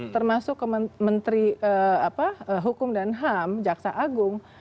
termasuk menteri hukum dan ham jaksa agung